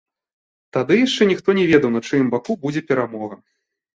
Тады яшчэ ніхто не ведаў, на чыім баку будзе перамога.